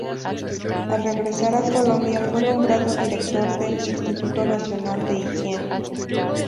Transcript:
Al regresar a Colombia fue nombrado director del Instituto Nacional de Higiene.